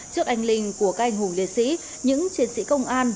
trước anh linh của các anh hùng liệt sĩ những chiến sĩ công an